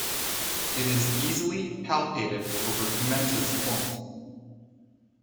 It is easily palpated over Pimenta's Point.